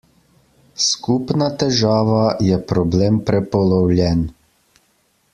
Skupna težava je problem prepolovljen.